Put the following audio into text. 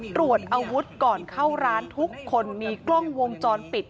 ตรวจอาวุธก่อนเข้าร้านทุกคนมีกล้องวงจรปิด